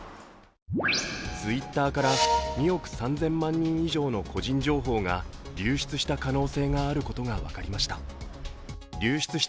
Ｔｗｉｔｔｅｒから２億３０００万人以上の個人情報が流出した可能性があることが分かりました。